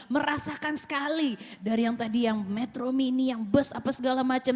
merasakan sekali dari yang tadi yang metro mini yang bus apa segala macam